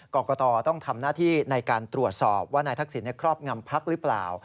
กรกตต้องทำหน้าที่ในการตรวจสอบว่านายทักษิณครอบงำพักหรือเปล่า